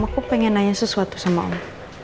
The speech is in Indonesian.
aku pengen nanya sesuatu sama allah